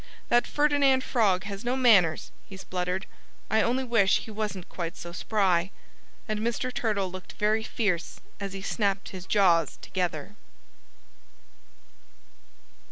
"That Ferdinand Frog has no manners," he spluttered. "I only wish he wasn't quite so spry." And Mr. Turtle looked very fierce as he snapped his jaws together.